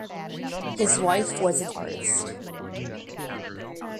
His wife was an artist.